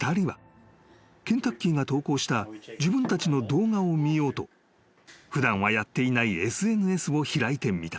［ケンタッキーが投稿した自分たちの動画を見ようと普段はやっていないＳＮＳを開いてみた］